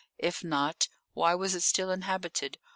If not, why was it still inhabited?